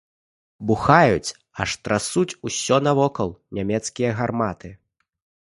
Бухаюць, аж трасуць усё навокал нямецкія гарматы.